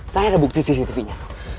saya ada bukti cctv nya